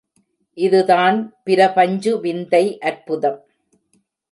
இதுதான் பிரபஞ்சு விந்தை அற்புதம்!